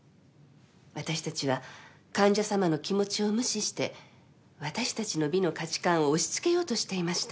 私たちは患者様の気持ちを無視して私たちの美の価値観を押し付けようとしていました。